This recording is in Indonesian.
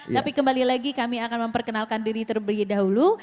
tapi kembali lagi kami akan memperkenalkan diri terlebih dahulu